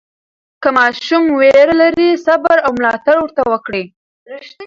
که ماشوم ویره لري، صبر او ملاتړ ورته وکړئ.